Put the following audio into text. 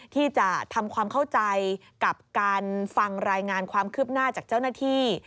ที่จะทำความเข้าใจกับการฟังรายงานความคืบหน้าจากเจ้าหน้าที่